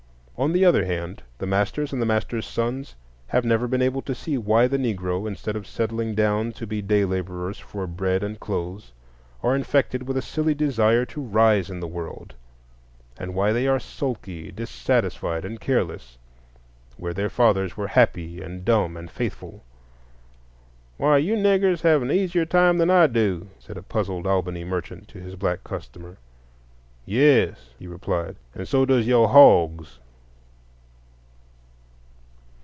On the other hand, the masters and the masters' sons have never been able to see why the Negro, instead of settling down to be day laborers for bread and clothes, are infected with a silly desire to rise in the world, and why they are sulky, dissatisfied, and careless, where their fathers were happy and dumb and faithful. "Why, you niggers have an easier time than I do," said a puzzled Albany merchant to his black customer. "Yes," he replied, "and so does yo' hogs."